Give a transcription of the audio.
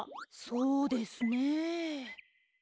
そうですね。